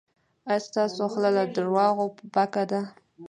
ایا ستاسو خوله له درواغو پاکه ده؟